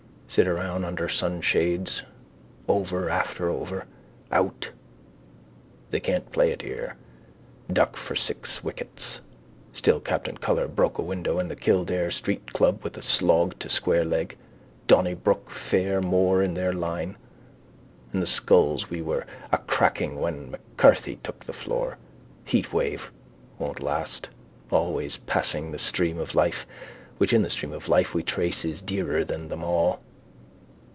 Sit around under sunshades. Over after over. Out. They can't play it here. Duck for six wickets. Still Captain Culler broke a window in the Kildare street club with a slog to square leg. Donnybrook fair more in their line. And the skulls we were acracking when M'Carthy took the floor. Heatwave. Won't last. Always passing, the stream of life, which in the stream of life we trace is dearer than them all.